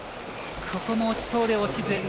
ここも落ちそうで落ちず。